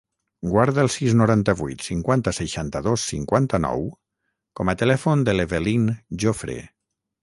Guarda el sis, noranta-vuit, cinquanta, seixanta-dos, cinquanta-nou com a telèfon de l'Evelyn Jofre.